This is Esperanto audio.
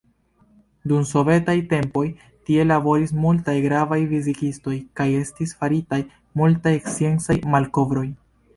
Dum sovetaj tempoj tie laboris multaj gravaj fizikistoj kaj estis faritaj multaj sciencaj malkovroj.